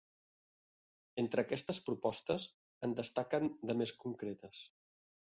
Entre aquestes propostes, en destaquen de més concretes.